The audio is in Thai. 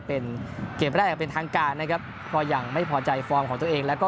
เป็นเกมพอแรกเป็นทางการนะครับเพราะยังไม่พอใจฟอร์มของตัวเองและก็